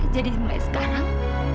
jadi mulai sekarang